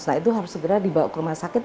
nah itu harus segera dibawa ke rumah sakit